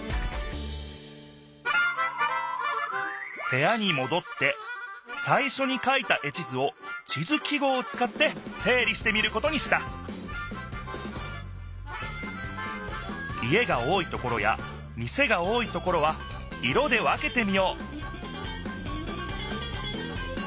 へやにもどってさいしょに書いた絵地図を地図記号をつかってせい理してみることにした家が多いところや店が多いところは色で分けてみよう！